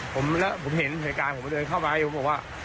ผมเห็นเหตุการณ์ดูเข้าไปเขาบอกว่า